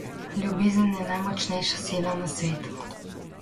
Ljubezen je najmočnejša sila na svetu.